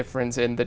là kết hợp